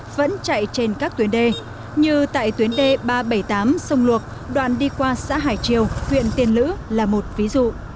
vẫn chạy trên các tuyến đê như tại tuyến d ba trăm bảy mươi tám sông luộc đoạn đi qua xã hải triều huyện tiền lữ là một ví dụ